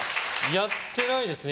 やってないですね。